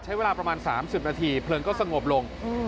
ใช้เวลาประมาณ๓๐นาทีเพลิงก็สงบลง